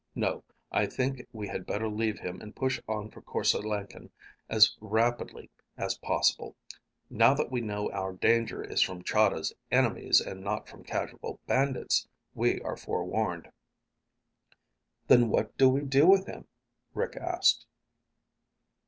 No, I think we had better leave him and push on for Korse Lenken as rapidly as possible. Now that we know our danger is from Chahda's enemies and not from casual bandits, we are forewarned." "Then what do we do with him?" Rick asked.